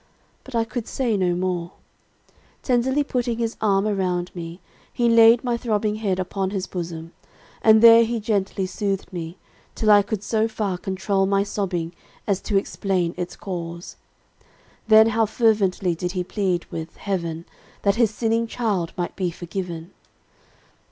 but I could say no more. Tenderly putting his arm around me, he laid my throbbing head upon his bosom; and there he gently soothed me, till I could so far control my sobbing, as to explain its cause. Then how fervently did he plead with, heaven, that his sinning child might be forgiven!